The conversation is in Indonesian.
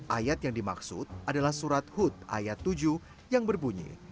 ayat yang dimaksud adalah surat hud ayat tujuh yang berbunyi